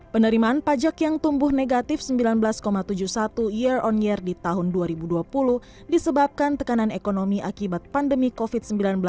penerimaan pajak yang tumbuh negatif sembilan belas tujuh puluh satu year on year di tahun dua ribu dua puluh disebabkan tekanan ekonomi akibat pandemi covid sembilan belas